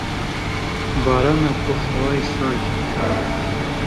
barana ku hewayê sar dike.